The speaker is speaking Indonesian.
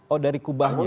oh dari kubahnya